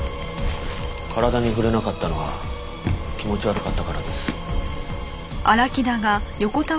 体に触れなかったのは気持ち悪かったからです。